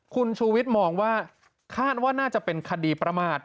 คุณชูวิทย์มองว่าคาดว่าน่าจะเป็นคดีประมาท